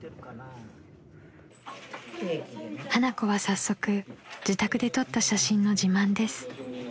［花子は早速自宅で撮った写真の自慢です］